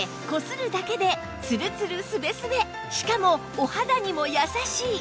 しかもお肌にも優しい